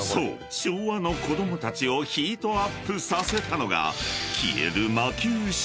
昭和の子供たちをヒートアップさせたのが］